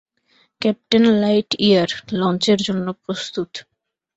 Captain Lightyear, লঞ্চের জন্য প্রস্তুত।